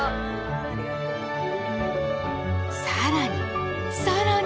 更に更に！